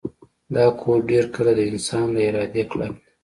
دا کوډ ډیر کله د انسان له ارادې کلک وي